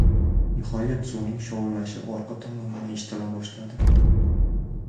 Nihoyat suvning shovullashi orqa tomondan eshitila boshladi.